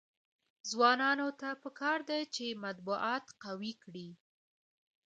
ځوانانو ته پکار ده چې، مطبوعات قوي کړي.